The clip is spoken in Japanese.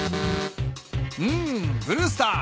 うんブルースター。